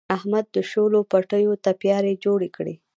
احمد د شولو پټیو تپیاري جوړې کړې.